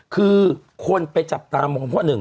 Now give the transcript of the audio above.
คือคนไปจับตามองพ่อหนึ่ง